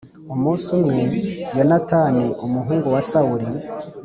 Umunsi umwe Yonatani j umuhungu wa Sawuli